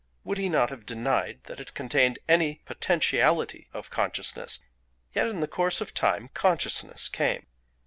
Would he not have denied that it contained any potentiality of consciousness? Yet in the course of time consciousness came.